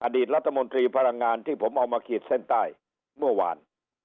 อดีตรัฐมนตรีพลังงานที่ผมเอามาขีดเส้นใต้เมื่อวาน